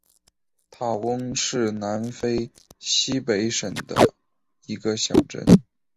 塔翁是南非西北省的一个小镇。